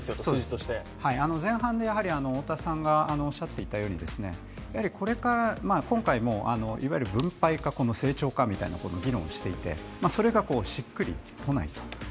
前半で太田さんがおっしゃっていたように今回もいわゆる分配か成長かという議論をしていて、それが、しっくりこないと。